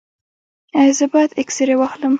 ایا زه باید اکسرې واخلم؟